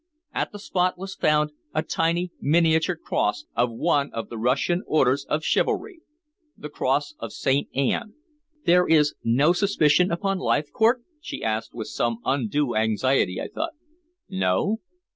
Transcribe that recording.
At the spot was found a tiny miniature cross of one of the Russian orders of chivalry the Cross of Saint Anne." "There is no suspicion upon Leithcourt?" she asked with some undue anxiety I thought. "No."